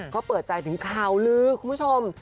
เขาเปิดใจถึงข่าวลือคุณผู้ชม